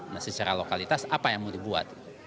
nah secara lokalitas apa yang mau dibuat